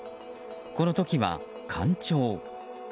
この時は干潮。